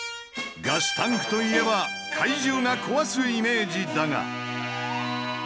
ガスタンクといえば怪獣が壊すイメージだが。